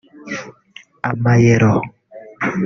ama- Euro